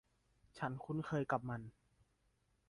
ฉันคุ้นเคยกับมัน